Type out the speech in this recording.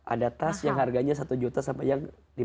ada tas yang harganya satu juta sampai yang lima puluh